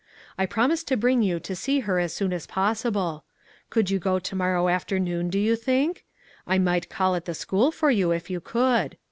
I promised to bring you to see her as soon as possible. Could you go to morrow afternoon, 350 "THAT LITTLE MAG JESSUP" do you think? I might call at the school for you if you could."